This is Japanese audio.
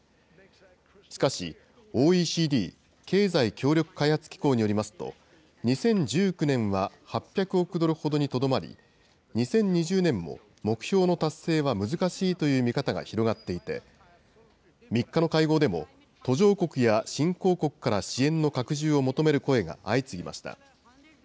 しかし、ＯＥＣＤ・経済協力開発機構によりますと、２０１９年は８００億ドルほどにとどまり、２０２０年も目標の達成は難しいという見方が広がっていて、３日の会合でも、途上国や新興国から支援の拡充を求める声が相次ぎました。